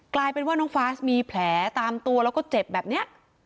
กลายเป็นว่าน้องฟาสมีแผลตามตัวแล้วก็เจ็บแบบนี้